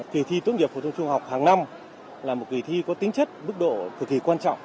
kỳ thi tốt nghiệp phổ thông trung học hàng năm là một kỳ thi có tính chất mức độ cực kỳ quan trọng